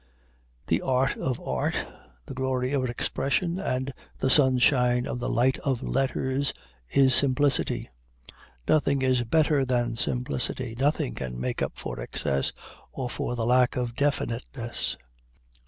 The art of art, the glory of expression and the sunshine of the light of letters, is simplicity. Nothing is better than simplicity nothing can make up for excess, or for the lack of definiteness.